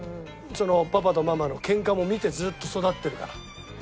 パパとママのケンカも見てずっと育ってるから。